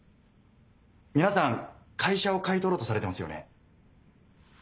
皆さん会社を買い取ろうとされてますよね？